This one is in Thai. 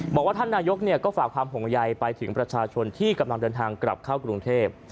บอกว่าท่านนายกก็ฝากความห่วงใยไปถึงประชาชนที่กำลังเดินทางกลับเข้ากรุงเทพ